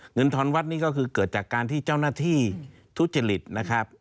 ทอนวัดนี่ก็คือเกิดจากการที่เจ้าหน้าที่ทุจริตนะครับ